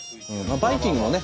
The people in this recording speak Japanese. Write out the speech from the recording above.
バイキングをね